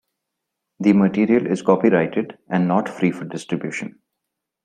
The material is copyrighted and not free for distribution.